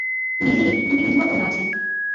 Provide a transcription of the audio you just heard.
বিলিগিরির দুটি বিধবা কন্যা আছেন।